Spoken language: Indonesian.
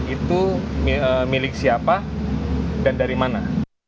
itu milik siapa dan dari mana